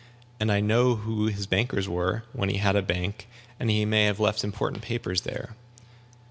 And I know who his bankers were (when he had a bank), and he may have left important papers there."